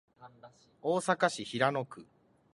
大阪市平野区